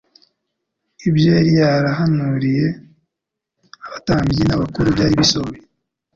Ibyo yari yarahanuriye abatambyi n'abakuru byari bisohoye